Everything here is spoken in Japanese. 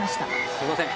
すいません